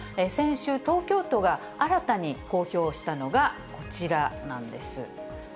先週、東京都が新たに公表したのがこちらなんです。